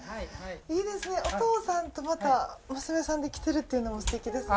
お父さんとまた娘さんで来てるっていうのもすてきですね。